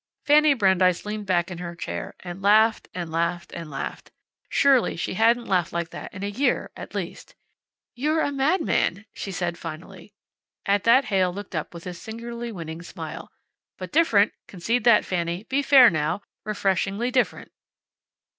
Fanny Brandeis leaned back in her chair, and laughed, and laughed, and laughed. Surely she hadn't laughed like that in a year at least. "You're a madman," she said, finally. At that Heyl looked up with his singularly winning smile. "But different. Concede that, Fanny. Be fair, now. Refreshingly different."